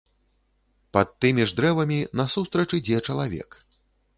Пад тымі ж дрэвамі насустрач ідзе чалавек.